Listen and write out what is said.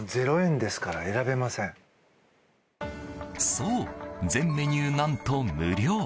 そう、全メニュー何と無料。